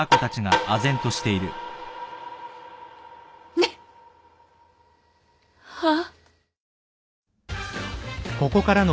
ねっ？はっ？